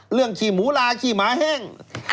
เรื่องขี้หมูราขี้หมาแห้ง